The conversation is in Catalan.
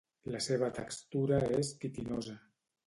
La seva textura és quitinosa.